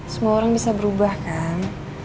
semua orang bisa berubah kan